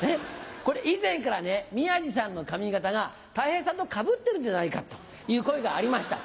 これ以前からね宮治さんの髪形がたい平さんとかぶってるんじゃないかという声がありました。